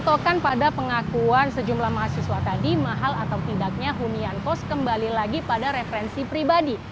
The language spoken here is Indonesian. ditokan pada pengakuan sejumlah mahasiswa tadi mahal atau tidaknya hunian kos kembali lagi pada referensi pribadi